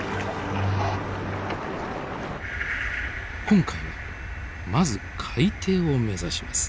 今回はまず海底を目指します。